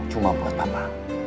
cuma buat papa